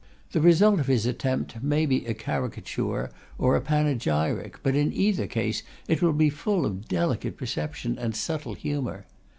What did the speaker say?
The result of his attempt may be a caricature or a panegyric, but in either case it will be full of delicate perception and subtle humour.